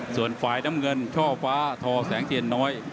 ส่วนฝ่ายน้ำเงินช่อฟ้าทอแสงเทียนน้อย